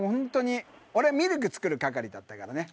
俺はミルク作る係だったからね。